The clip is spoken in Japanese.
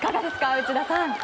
内田さん。